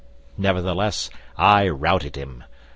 Nevertheless I routed him.